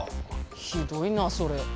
ひどいなそれ。